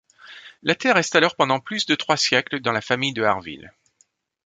La terre reste alors pendant plus de trois siècles dans la famille de Harville.